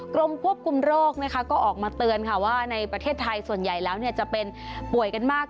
กรมควบคุมโรคก็ออกมาเตือนค่ะว่าในประเทศไทยส่วนใหญ่แล้วจะเป็นป่วยกันมาก